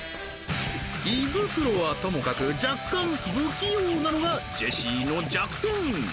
胃袋はともかく若干不器用なのがジェシーの弱点